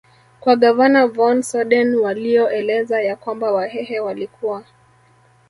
kwa Gavana Von soden walioeleza ya kwamba wahehe walikuwa